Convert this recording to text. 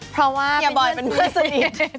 เพราะว่าเฮียบอยเป็นเพื่อนสนิท